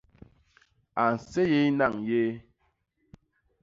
A nséyéé nañ yéé.